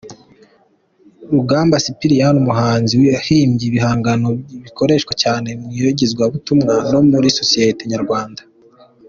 Rugamba Cyprien: Umuhanzi wahimbye ibihangano bikoreshwa cyane mu iyogezabutumwa no muri Sosiyete Nyarwanda.